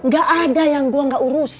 gak ada yang gue gak urusin